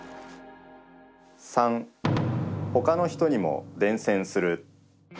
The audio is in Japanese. ３、他の人にも伝染する。